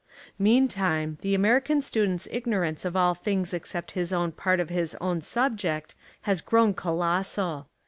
Meantime the American student's ig norance of all things except his own part of his own subject has grown colossal.